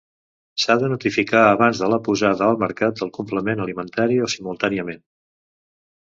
S'ha de notificar abans de la posada al mercat del complement alimentari o simultàniament.